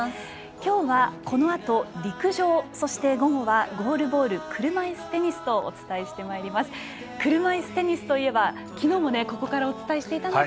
今日は、このあと陸上午後はゴールボール車いすテニスとお伝えしてまいります。